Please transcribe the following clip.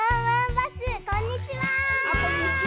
あっこんにちは！